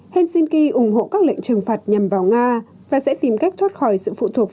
helsinki ủng hộ các lệnh trừng phạt nhằm vào nga và sẽ tìm cách thoát khỏi sự phụ thuộc